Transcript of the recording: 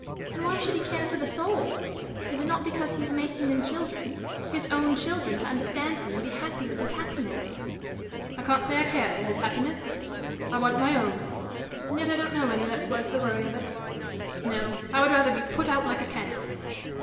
And why should he care for the souls? Is it not because he is making them children his own children to understand him and be happy with his happiness?" "I can't say I care for his happiness. I want my own. And yet I don't know any that's worth the worry of it. No; I would rather be put out like a candle."